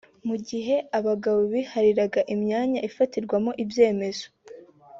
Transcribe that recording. mu gihe abagabo bihariraga imyanya ifatirwamo ibyemezo